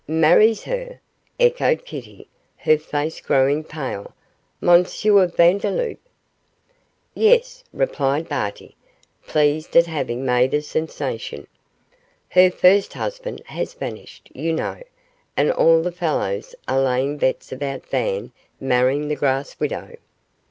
'Marries her?' echoed Kitty, her face growing pale. 'M. Vandeloup?' 'Yes,' replied Barty, pleased at having made a sensation. 'Her first husband has vanished, you know, and all the fellows are laying bets about Van marrying the grass widow.